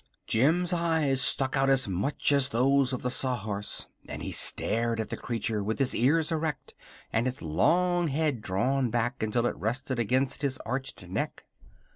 "] Jim's eyes stuck out as much as those of the Sawhorse, and he stared at the creature with his ears erect and his long head drawn back until it rested against his arched neck.